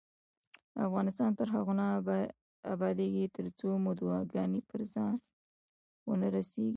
افغانستان تر هغو نه ابادیږي، ترڅو مو دعاګانې پر ځای ونه رسیږي.